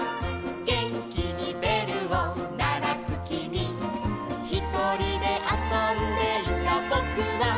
「げんきにべるをならすきみ」「ひとりであそんでいたぼくは」